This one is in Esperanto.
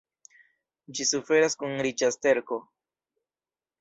Ĝi suferas kun riĉa sterko.